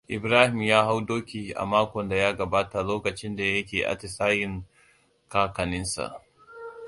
Ibrahim ya hau doki a makon da ya gabata lokacin da yake atisayen kakanninsa.